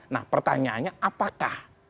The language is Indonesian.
nah pertanyaannya apakah